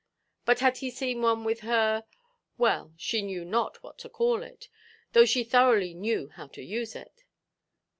But had he seen one with her—well, she knew not what to call it, though she thoroughly knew how to use it?